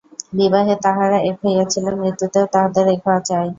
বিবাহে তাঁহারা এক হইয়াছিলেন, মৃত্যুতেও তাঁহাদের এক হওয়া চাই।